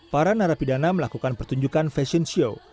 para narapidana melakukan pertunjukan fashion show